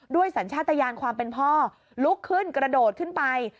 สัญชาติยานความเป็นพ่อลุกขึ้นกระโดดขึ้นไป